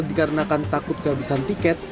dikarenakan takut kehabisan tiket